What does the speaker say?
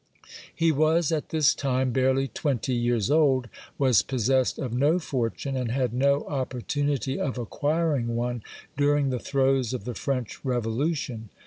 ^ He was at this time barely twenty years old, was possessed of no fortune, and had no opportunity of acquiring one during the throes of the French Revolution.